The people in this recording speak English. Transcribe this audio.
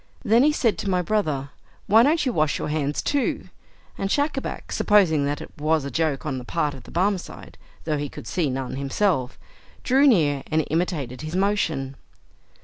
Then he said to my brother, "Why don't you wash your hands too?" and Schacabac, supposing that it was a joke on the part of the Barmecide (though he could see none himself), drew near, and imitated his motion.